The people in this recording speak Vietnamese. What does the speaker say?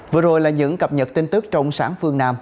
vừa rồi là những cập nhật tin tức trong sáng phương nam